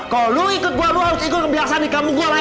kalo lo ikut gua lo harus ikut kebiasaan di kampung gua lain